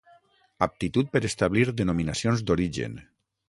Aptitud per establir denominacions d'origen.